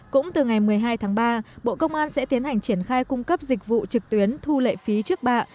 cũng từ ngày một mươi hai tháng ba bộ công an sẽ tiến hành triển khai cung cấp dịch vụ trực tuyến thu lệ phí trước bạ